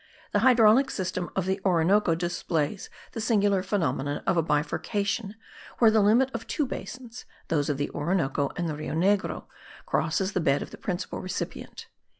The hydraulic system of the Orinoco displays the singular phenomenon of a bifurcation where the limit of two basins (those of the Orinoco and the Rio Negro) crosses the bed of the principal recipient.